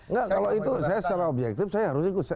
enggak kalau itu saya secara objektif saya harus ikut